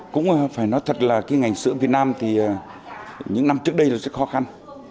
cũng phải nói thật là cái ngành sữa việt nam thì những năm trước đây là rất khó khăn